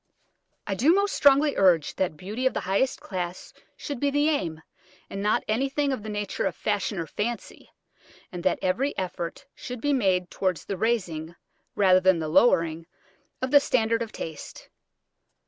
I do most strongly urge that beauty of the highest class should be the aim, and not anything of the nature of fashion or "fancy," and that every effort should be made towards the raising rather than the lowering of the standard of taste.